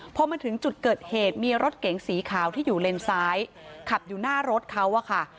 พอมาถึงจุดเกิดเหตุมีรถเก๋งสีขาวที่อยู่เลนซ้ายขับอยู่หน้ารถเขาอะค่ะ